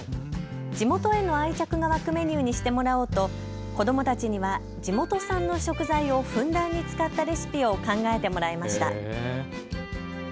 地元への愛着が湧くメニューにしてもらおうと子どもたちには地元産の食材をふんだんに使ったレシピを考えてもらいました。